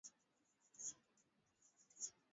Watotot wetu ni wazuri